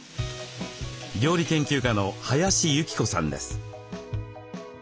料理研究家の林幸子さんです。